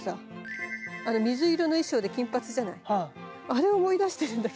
あれ思い出してるんだけど。